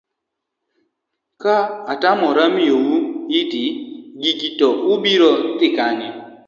ka atamora miyou it gigi to ubiro dhi kanye?